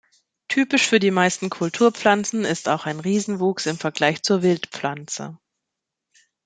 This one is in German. Typisch für die meisten Kulturpflanzen ist auch ein Riesenwuchs im Vergleich zur Wildpflanze.